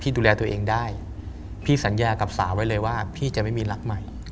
ดูแลตัวเองได้พี่สัญญากับสาวไว้เลยว่าพี่จะไม่มีรักใหม่